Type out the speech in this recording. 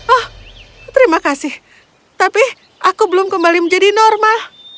oh terima kasih tapi aku belum kembali menjadi normal